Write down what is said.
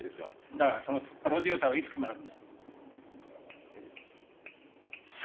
だからそのプロデューサーはいつ決まるんだよ。